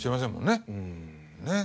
ねえ。